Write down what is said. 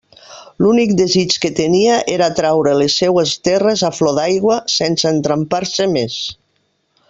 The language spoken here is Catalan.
L'únic desig que tenia era traure les seues terres a flor d'aigua, sense entrampar-se més.